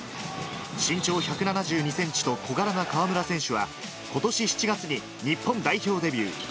身長１７２センチと小柄な河村選手は、ことし７月に日本代表デビュー。